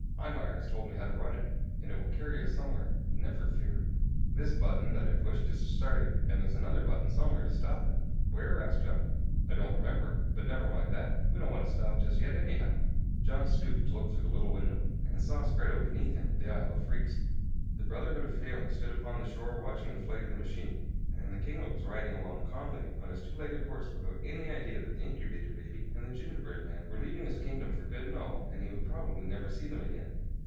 Imar has told me how to run it, and it will carry us somewhere, never fear. This button that I pushed is to start it, and there's another button somewhere to stop it." [Illustration: "HURRY, JOHN DOUGH, OR YOU'LL BE EATEN!"] "Where?" asked John. "I don't remember. But never mind that; we don't want to stop just yet, anyhow." John stooped to look through the little window, and saw spread out beneath him the Isle of Phreex. The Brotherhood of Failings stood upon the shore watching the flight of the machine, and the kinglet was riding along calmly upon his two legged horse without any idea that the Incubator Baby and the gingerbread man were leaving his kingdom for good and all and he would probably never see them again.